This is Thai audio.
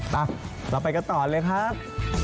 เราไปกันต่อเลยครับ